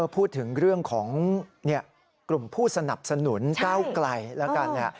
พูดถึงเรื่องของกลุ่มผู้สนับสนุนก้าวไกลแล้วกัน